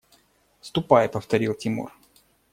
– Ступай, – повторил Тимур.